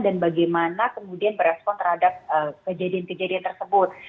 dan bagaimana kemudian berespon terhadap kejadian kejadian tersebut